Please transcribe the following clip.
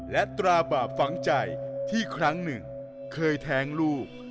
และตราบาปฝังใจที่ครั้งหนึ่งเคยแท้งลูก